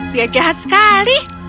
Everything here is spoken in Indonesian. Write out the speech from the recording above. dia jahat sekali